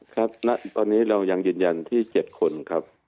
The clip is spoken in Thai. ครับณตอนนี้เรายังยืนยันที่๗คนครับ